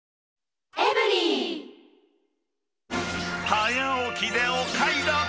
早起きでお買い得。